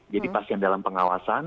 jadi pasien dalam pengawasan